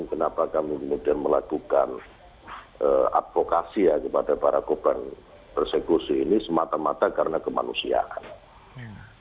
kenapa kami kemudian melakukan advokasi ya kepada para korban persekusi ini semata mata karena kemanusiaan